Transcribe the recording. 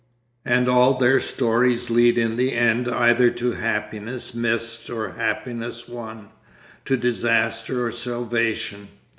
And all their stories lead in the end either to happiness missed or happiness won, to disaster or salvation.